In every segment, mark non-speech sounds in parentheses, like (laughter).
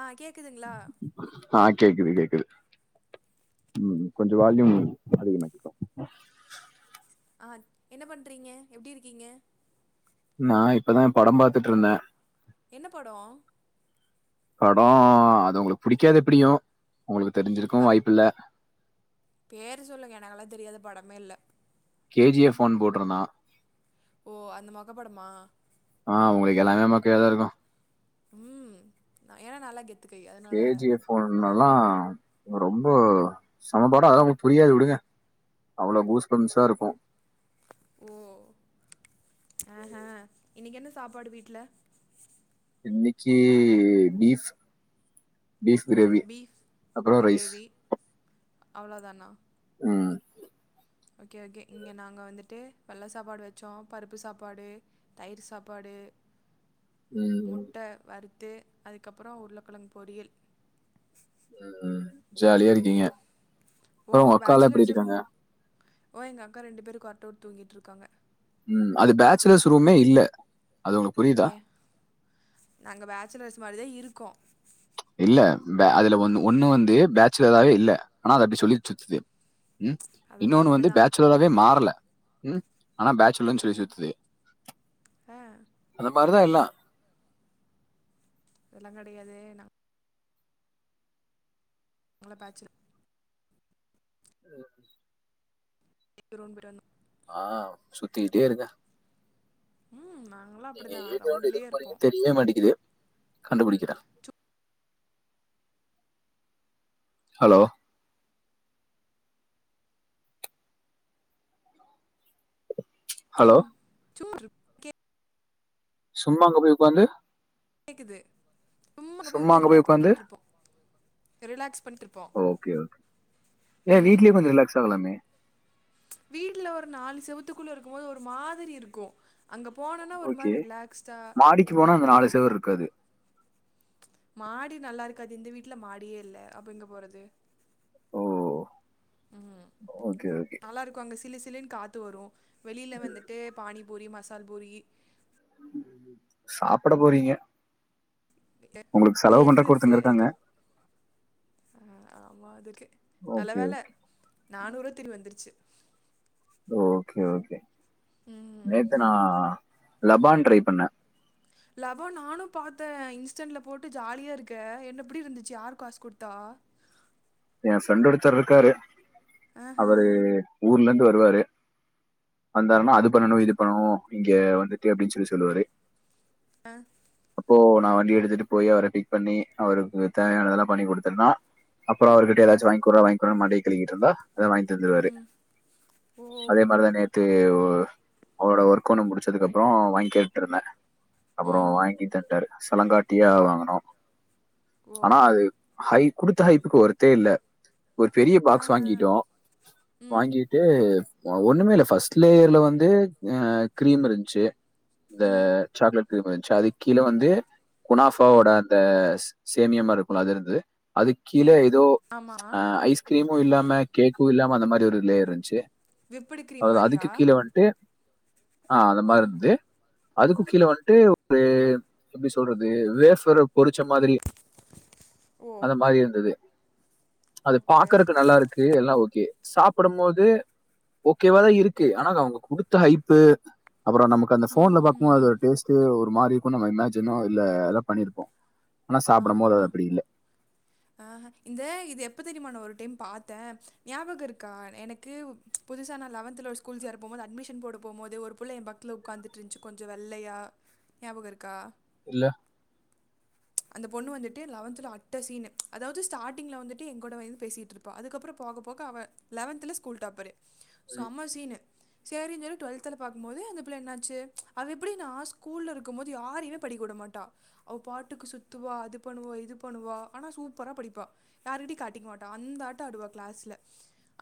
ஆ கேக்குதுங்ளா ஆ கேக்குது கேக்குது ம் கொஞ்ச வால்யூம் அதிகமா கேக்கு ஆ என்ன பண்றீங்க எப்டி இருக்கீங்க நா இப்பதா பட பாத்துட்டு இருந்தே என்ன படோ படோ அது உங்களுக்கு புடிக்காது எப்டியு உங்களுக்கு தெரிஞ்சிருக்கவு பா வாய்ப்பில்ல பேரு சொல்லுங்க எனக்கெல்லா தெரியாத படமே இல்ல கே ஜி எஃப் ஒன் போட்ருந்தா ஓ அந்த மெக்க படமா ஆ உங்களுக் எல்லாமே மெக்கயாதா இருக்கு ம் அ ஏனா நாலா கெத் கே ஜி எஃப் ஒன் எல்லா ரொம்ப செம படொ அதெல்லா உங்களுக் புரியாது உடுங்க அவ்ளோ கூஸ்பம்சா இருக்கு ஓ ஆஹா இன்னைக்கு என்ன சாப்பாடு வீட்ல இன்னிக்கு பீஃப் பீஃப் கிரேவி பீஃப் அப்புறோ ரைஸ் கிரேவி அவ்ளோதானா ம் ஓகே ஓகே இங்கே நாங்க வந்துட்டு வெள்ள சாப்பாடு வெச்சோ பருப்பு சாப்பாடு தயிர் சாப்பாடு ம், முட்ட வறுத்து அதுக்கப்புறோ உருளக்கழங்கு பொரியல் ம் ம் ஜாலியா இருக்கீங்க ம் ஓ அப்புறோ உங்க அக்கால்லா எப்டி பேச்சுலர்ஸ் ரூம் இருக்காங்க ஓ எங்க அக்கா ரெண்டு பேரு கொறட்ட உட்டு தூங்கிட்டு இருக்காங்க ம் அது பேச்சிலர்ஸ் ரூமே இல்ல அது உங்க ஏயே நாங்க பேச்சுலர்ஸ் மாரி தா இருக்கோ இல்ல பே அதுலந்து ஒன்னு வந்து பேச்சுலராவே இல்ல ஆனா அது அப்டி சொல்லிட்டு சுத்துது ம் அதெல்லாம் இன்னொன்னு வந்து அப்படிதான் பேச்சுலராவே மாறல ம் ஆனா பேச்சுலர்னு சொல்லி சுத்துது ஆ அந்த மாரிதா எல்லா அதெல்லாங் கெடையாது நா நாங்கலா பேச்சுலர் திருப்பி ரூம் போயிட்டு வரணு ஆ சுத்தி கிட்டே இருக்க ம் நாங்களா நீங்க எதேட எதுக் போறீங்கன்னு தெரியவே மாட்டேக்கிது கண்டுபுடிக்கிறே ஹலோ ஹலோ சோறு சும்மா அங்க போயி ஒக்காந்து கேக்குது சும்மா அங்க போய் ரிலாக்ஸ் பண்ணிட்டு இருப்போ ரிலாக்ஸ் பண்ணிட் ஓகே ஓகே ஏ வீட்லயே கொஞ்சோ ரிலாக்ஸ் ஆகலாமே வீட்ல ஒரு நாலு செவத்து குள்ள இருக்கும் போது ஒரு மாதிரி இருக்கு அங்க போனோன்னா ஒரு மாரி ரிலாக்ஸ்டா க்கி போன அந்த நாலு செவுரு இருகாது மாடி நல்லா இருக்காது இந்த வீட்ல மாடியே இல்ல அப்ப எங்கே போறது ஓ! ம் ஓகே, ஓகே. நல்லா இருக்கு அங்க சிலு சிலு காத் ஒத்து வரு வெளியில வந்துட்டு பானிபூரி மசால் பூரி சாப்ட போறீங்க உங்களுக்கு செலவு வேர் பண்றதுக்கு ஃப்ரூட்ஸ்சே ஒருத்தங்க ஒரு இருக்காங்க. கப் அ ஆமா அதுக்கு நல்ல ஓகே, வேல நானூ திரு வந்துருச்சி ஓகே ஓகே ம் நேத்து நா லபான் ட்ரை பண்ணே லபான் நானு பாத்தே இன்ஸ்டன்ல போட்டு ஜாலியா இருக்கே என்ன எப்டி இருந்துச்சி யார் காசு குடுத்தா எயே ஃப்ரெண்டு ஒருத்தர் இருக்காரு ஆஹ அவரு ஊர்ல இருந்து வருவாரு வந்தாருன்னா அது பண்ணணு இது பண்ணணு இங்க வந்துட்டு அப்டின்னு சொல்லி சொல்லுவாரு ஆ அப்போ நா வண்டி எடுத்துட்டு போய் அவர பிக் பண்ணி அவருக்கு தேவையானதெல்லா பண்ணி குடுத்தேன்னா அப்றோ அவர்கிட்ட அ ஏதாச்சி வாங்குட்றா வாங்கிகுட்றா மண்டைய கழிக்கிட்டு இருந்தா எதா வாங்கி தந்துருவாரு ஓ அதே மாரிதா நேத்து அவரோட ஒர்க் ஒன்னு முடிச்சதுக்கு அப்றோ வாங்கி கேட்டுட்டு இருந்தே அப்றோ ம் வாங்கி தன்டாரு சலங்காட்டியா வாங்கினோ ஓ ஆனா அது ஹை குடுத்த ஹைப்புக்கு ஒர்த்தே இல்ல ஒரு பெரிய பாக்ஸ் ஆஹ வாங்கிட்டோ ம் வாங்கி அப்ட ஒன்னுமே இல்ல ஃபர்ஸ்ட் லேயர்ல வந்து கிரீம் இருந்சி இந்த ம் சாக்லேட் கிரீம் இந்சி அது கீழ வந்து குனாஃபாவோட அந்த சேமியா மாரி இருக்குல்ல அது இருந்து அதுக் கீழ இல் ஏதோ ஆமா அ ஐஸ்கிரீமு இல்லாம கேக்கு இல்லாம அந்த மாரி ஒரு லேயர் இருந்துச்சி விப்புடு கிரீம் அதுல மாரியா அதுக்கு கீழ வந்துட்டு ஆ அந்த மாரி ம் இருந்தது அதுக்கு கீழே வந்துட்டு ஒரு எப்டி சொல்றது வேஃபர பொரிச்ச மாதிரி ஓ அந்த மாரி இருந்தது அது ஓகே பாக்கறதுக்கு நல்லா இருக்கு எல்லா ஓகே சாப்டும் போது ஓகேவாதா இருக்கு ஆனா அவுங்க குடுத்த ஹைப்பு அப்பற நம்ம அந்த ஃபோன்ல பாக்கும் போது அது ம்ஹூம் ஒரு டேஸ்ட்டு ஒரு மாரிக்கும் நம்ம இமஜினோ இல்ல எதோ பண்ணிருப்போ ஆமா ஆஹ இத இது எப்ப தெரியுமா நா ஒரு டைம் பாத்தே ஞாபக இருக்கா எனக்கு புதுசா நா லவன்த்தல ஒரு ஸ்கூல் சேர போம் போது அட்மிஷன் போட போது ஒரு புள்ள எ பக்கத்தில உக்காந்துட்டுருச்சு கொஞ்சோ வெள்ளையா ஞாபக இருக்கா இல்ல அந்த பொண்ணு வந்துட்டு லவன்துல்ல அட்ட சீனு அதாவது ஸ்டார்டிங்ல வந்துட்டு எங்கூடவேத பேசிட்டு இருக் ப்பா அதுக்கு அப்பற போக போக அவ லவன்த்துல ஸ்கூல் டாப்பரு ம், செம சீனு செரின் சொல்லி டொல்த்துல பாக்கும்போது அந்த பிள்ள என்னாச்சு அவ எப்டினா ஸ்கூல்ல இருக்கும் போது யாரயுமே படிக்கவுடமாட்டா அவ பாட்டுக்கு சுத்துவா அது பண்ணுவா இது பண்ணுவா ஆனா சூப்பரா படிப்பா யார்ட்டியு காட்டிக்க மாட்டா அந்த ஆட்ட ஆடுவா கிளாஸ்ல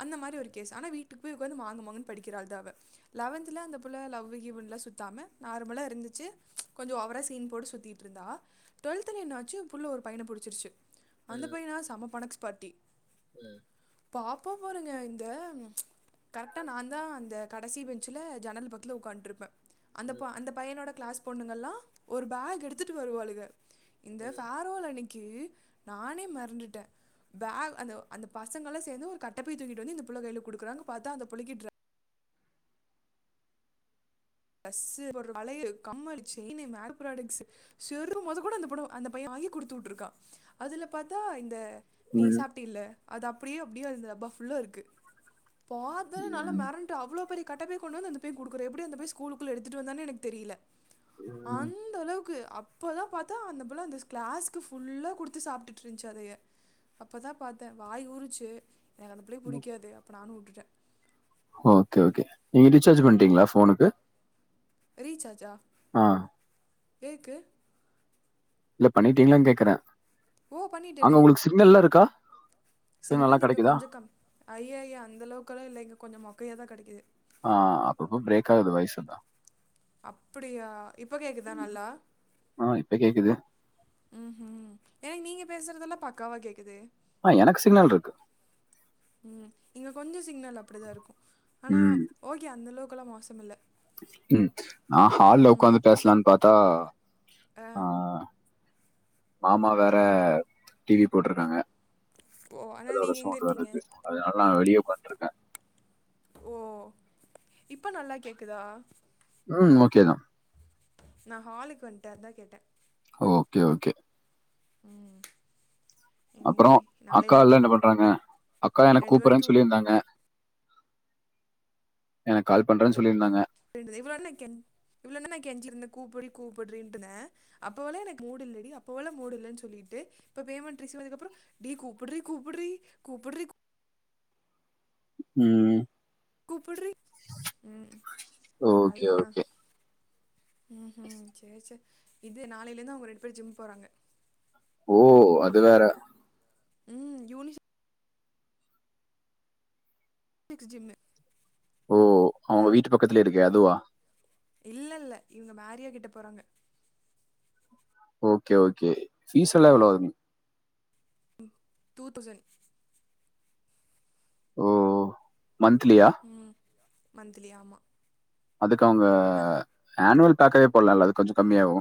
அந்த மாரி ஒரு கேஸ் ஆனா வீட்டுக்கு போய் உக்காது மாங்கு மாங்குன்னு படிக்கிறா ஆள்தா அவ லவன்துல அந்த புள்ள லவ்வு கிவ்ன்லா சுத்தாமா நார்மலா இருந்துச்சு கொஞ்சோ ஓவரா சீன் போட்டு சுத்திட்டு இருந்தா டொல்த்துல என்னாச்சு புள்ள ஒரு பையன புடுச்சிருச்சு அந்த ம், பையனா செம பணக்ஸ் பார்ட்டி ம், பாப்பா பாருங்க இந்த கரெக்டாக நாந்தா அந்த கடைசி பெஞ்சில்ல ஜன்னல் பக்கத்ல உட்கான்டுருப்பே அந்த ம், பொ அந்த பையனோட கிளாஸ் பொண்ணுங்கள்லா ஒரு பேக் எடுத்துட்டு வருவாளுக இந்த ஃபரோல் அன்னைக்கி நானே மெறன்டுட்டே பேக் அந்த அந்த பசங்களா சேந்து ஒரு கட்டபை தூங்கிட்டு வந்து இந்த புள்ள கையில குடுக்குறாங்க பாத்தா அந்த புள்ளைக்கி டிர ஸ்சு ஒரு வளையல் கம்மலு செயின்னு (unintelligible) ப்ராடெக்ஸ்சு செரும் மொத கூட அந்த பொண்ணு அந்த பைய வாங்கி குடுத்து விட்டுருக்கா அதுல பாத்தா இந்த நீ ம். சாப்பிட்டில்ல அது அப்டியே அப்டியு அந்த டப்பா ஃபுல்லா இருக்கு பாத்தே நாலா ம், மெரண் அவ்ளோ பெரிய கட்டப்பை கொண்டு வந்து அந்த பைய குடுக்குற எப்டி அந்த பைய ஸ்கூலுகுள்ள எடுத்துட்டு வந்தான்னு எனக்கு தெரியல ம், அந்த அளவுக்கு அப் இப்போதா பாத்தா அந்த புள்ள அந்த கிளாஸ்க்கு ஃபுல்லா குடுத்து சாப்டுட்ருந்துச்சு அதையே அப்பதா பாத்தே வாய் ஊறிச்சு எனக்கு அந்த புள்ள ம். புடிக்காது அப்ப நானுவுட்டுட்டே ஓகே ஓகே நீங்க ரீசார்ஜ் பண்ணிட்டீங்ளா ஃபோனுக்கு ரீச்சார்ஜா ஆ எதுக்கு இல்ல பண்ணிட்டீங்களானு கேக்குறே ஓ பண்ணிட்டேனே சிக்னல்லா இருக்கா நல்லா சிக்னல் இங்கே கிடைக்குதா கொஞ்சோ கம் அய்யய்ய அந்தளவுக்கெல்லா இல்ல கொஞ்சோ மொக்கையாக தா கெடைக்குது ஆ அப்பப்ப பிரேக் ஆகுது வாய்ஸ்செல்லா அப்டியா இப்ப கேக்குதா நல்லா ஆ இப்ப கேக்குது ம் ஹ் எனக்கு நீங்க பேசுறதெல்லா பக்காவாக கேக்குது ஆ எனக்கு சிக்னல் இருக்கு ம் இங்க கொஞ்சோ சிக்னல் அப்டிதா இருக்கு ஆனா ம் ஓகே அந்த அளவுக்கெல்லா மோசம் இல்ல ம் நா ஹால்ல உக்காந்து பேசலான்னு பாத்தா ஆ மாமா வேற டிவி போட்ருக்காங்க ஓ ஆனா அதோட நீங்க எங்க சவுண்டா வேற இருக்கீங்க இருக்கு அதனால நா வெளிய உட்கான்ருக்கே ஓ இப்ப நல்லா கேக்குதா ம் ஓகே தா நா ஹாலுக்கு வண்ட்டே அதா கேட்டே ஓகே ஓகே ம் அப்பறோ இன்னைக்கு நாளையில அக்கால்லா என்ன பண்றாங்க அக்கா எனக் ரெண்டு பேரும் கூப்பறன் தூ சொல்லியிருந்தாங்க எனக் கால் பண்றன் சொல்லியிருந்தாங்க (unintelligible) இவ்ள நா கெஞ் இவள நா கெஞ்சிருந்தே கூப்புரி கூப்புட்ரீண்டுருந்த அப்போவல்லா எனக்கு மூடு இல்லடி அப்போவல்லா மூடு இல்லன்னு சொல்லிட்டு இப்ப பேமெண்ட் ரிசிவ்வானதுக்கப்பறோ டி கூப்புட்ரி கூப்புட்ரி கூப்புட்ரி கூப் ம் ம் கூப்புட்ரி உம் ஓகே, அதா ஓகே. ம்உ ம் சேர் சேர் இது நாளையிலேந்து அவங்க ரெண்டு பேரும் ஜிம் போறாங்க ஓ அது வேற ம் யூனிஸ் னிக்ஸ் ஜிம்மு ஓ அவங்க ஹலோ வீட்டு பக்கத்துலயே இருக்கே அதுவா இல்ல இல்ல இவங்க மேரியா கிட்ட போறாங்க ஓகே ஓகே பீஸ்ஸெல்லா எவ்ளோ வரு (unintelligible) டூ தௌசண்ட் ஓ ஓ மன்த்லியா ம் மந்த்திலி ஆமா அதுக்கு அவங்க ஆனுவல் பேக்காவே போட்லால்ல அது கொஞ்ச கம்மியாவு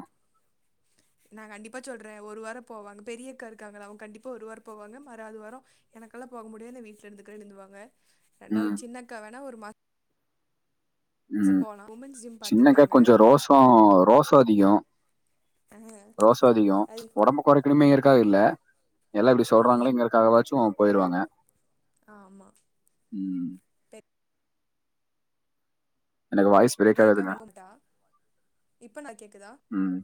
நா கண்டிப்பா சொல்றே ஒரு வாரோ போவாங்க பெரியக்கா இருக்காங்கள அவங்க கண்டிப்பா ஒரு வாரோ போவாங்க மறாது வாரோ எனக்கெல்லா போக முடியாது நா வீட்டுல இருந்துக்கறேன் இருந்துக்குவாங்க ம், ரெண்டாவது சின்னக்கா வேணா ஒரு மா சம் போலா உமன்ஸ் ஜிம் பாத்துருக்காங்க அ ரோசோ அதிகோ அஹ், ரோசோ அதிகோ அது ஒடம்புக் கொறைக்கினுமேங்கறகாக இல்ல எல்லா இப்டி சொல்றாங்களே ம் இங்கறகாகவாச்சும் போயிருவாங்க ஆமா ம் எனக்கு வாய்ஸ் பிரேக் தியக்கா ஆகுதுங்க. அனுப்பமாட்டா இப்ப நா கேக்குதா ம்,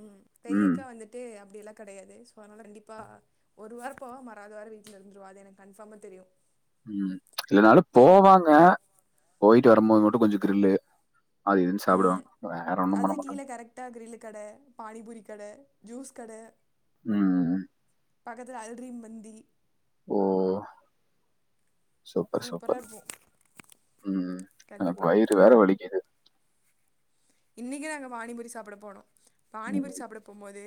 ம் ம், பெரியக்கா வந்துட்டு அப்டியெல்லா கெடையாது சோ அதனால கண்டிப்பா ஒரு வாரோ போவ மறாது வாரம் வீட்ல இருந்துருவா அது எனக்கு கன்பார்மா தெரியு ம் இல்லனாலு போவாங்க போயிட்டு வரும்போது மட்டு கொஞ்ச க்ருல்லு அது இதுன்னு சாப்பிடுவாங்க போல வேற ஒன்னு பண்ண மாட்டாங்க விட்டா கிரில்லு கட பானிபூரி கட ஜூஸ் கட ம் பக்கத்துல அல்ரீம் மந்தி ஓ சூப்பர் சூப்பரா சூப்பர் இருக்கும் ம் எனக்கு கண்டிப்பா வயிறு வேற வலிக்கிது இன்னிக்கே நாங்க பானிபுரி சாப்பட போனோ பானிபுரி ம் சாப்பட போம்போதே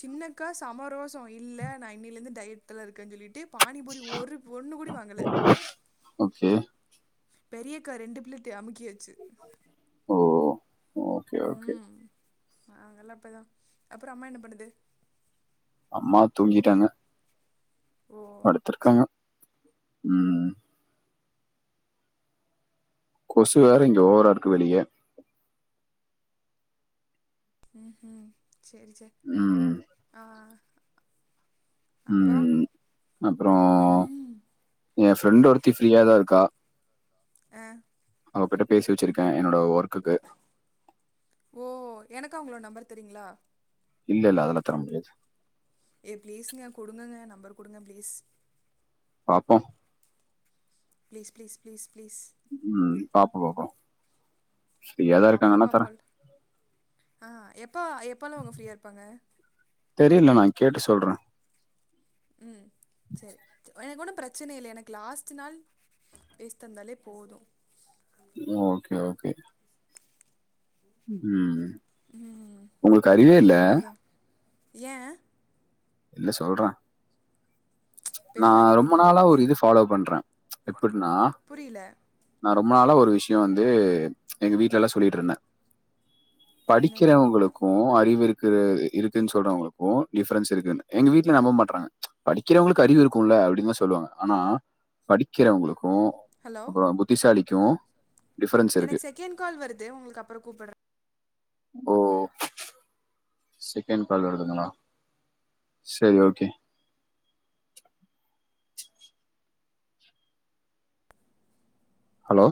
சின்னக்கா சமரோசோ இல்ல நா இன்னிலேருந்து டயட்ல இருக்கன்னு சொல்லிட்டு பானிபூரி ஒரு ஒண்ணு கூடி வாங்கல ஓகே பெரியக்கா ரெண்டு பிளேடீடு அமுக்கியாச்சு ஓ ஓகே ஓகே நாங்கல்லா இப்பதா அப்றம் அம்மா என்னா பண்ணுது அம்மா தூங்கிட்டாங்க ஓ த்ருக்காங்க சரி ம் கொசு வேற இங்க ஓவராருக்கு வெளிய ம் ம் செரி செரி ம் ஆ அப்புறம் ம் அபரோ ம் எ ஃப்ரெண்டு ஒருத்தி ஃப்ரீயா தா இருக்கா ஆ அவகிட்ட பேசி வச்சிருக்கே என்னோட ஒர்க்குக்கு ஓ எனக்கு அவங்களோட நம்பர் தரிங்களா இல்ல இல்ல அதெல்லா தர முடியது ஏ ப்ளீஸ்ங்க குடுங்கங்க நம்பர் குடுங்க பிளீஸ் பாப்போ ப்ளீஸ் ப்ளீஸ் ப்ளீஸ் ப்ளீஸ் ம் ம் பாப்போ பாப்போ பாப்போ தரேன் பா்போல் ஆ எப்ப எப்போல்லா அவங்க ஃப்ரீயா இருப்பாங்க தெரில நா கேட்டு சொல்ற ம் செரி து எனக்கு ஒன்னு பிரச்சனை இல்லை எனக்கு லாஸ்டு நாள் பேசி தந்தாலே போது ஓகே ஓகே ம் ம் உங்களுக்கு அறிவே இல்ல அதேதா ஏ இல்ல சொல்ற இப்போ நா எதுக்கு அறிவே ரொம்ப இல்லைன்னு நாளா கேட்டீங்க ஒரு இது ஃபாலோ பண்றே எப்னா புரியல நா ரொம்ப நாள ஒரு விஷய வந்து எங்க வீட்லல்லா சொல்லிட்ருந்தே என்னென்னு படிக்கிறவங்களுக்கு அறிவு இருக்கு இருக்குன் சொல்றவங்களுக்கு டிஃப்ரென்ஸ் இருக்கு எங்க வீட்ல நம்ப மாட்றாங்க படிக்கிறவங்களுக்கு அறிவு இருக்கும்ல அப்டினுதா சொல்லுவாங்க ஆனா படிக்கிறவங்களுக்கு ஹலோ அப்பற புத்திசாலிக்கு டிஃபரென்ஸ் இருக்கு கென் கால் வருது உங்களுக்கு அப்பற கூப்பிற ஓ செகண்ட் கால் வருதுங்களா செரி ஓகே ஹலோ